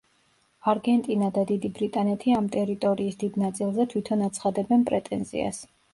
არგენტინა და დიდი ბრიტანეთი ამ ტერიტორიის დიდ ნაწილზე თვითონ აცხადებენ პრეტენზიას.